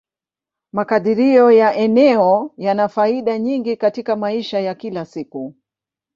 Makadirio ya eneo yana faida nyingi katika maisha ya kila siku.